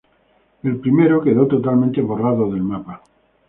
El primero quedó totalmente borrado del mapa.